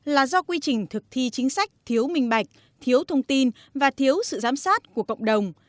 là do quy trình thực thi chính sách thiếu minh bạch thiếu thông tin và thiếu sự giám sát của cộng đồng